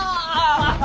アハハハ！